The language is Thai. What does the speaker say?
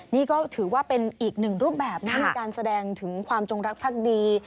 นี่ก็ถือว่าเป็นอีกหนึ่งรูปแบบนะในการแสดงถึงความจงรักภักดี